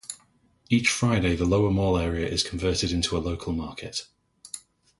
Each Friday the lower mall area is converted into a local market.